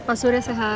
pak surya sehat